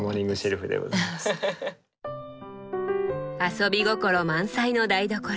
遊び心満載の台所。